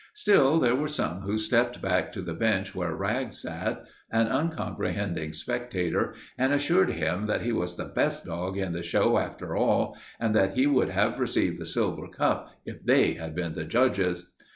Still, there were some who stepped back to the bench where Rags sat, an uncomprehending spectator, and assured him that he was the best dog in the show after all, and that he would have received the silver cup if they had been the judges.